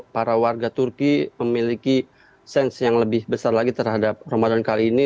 para warga turki memiliki sens yang lebih besar lagi terhadap ramadan kali ini